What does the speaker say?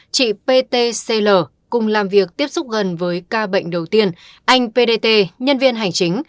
chị ptcl cùng làm việc tiếp xúc gần với ca bệnh đầu tiên anh pdt nhân viên hành chính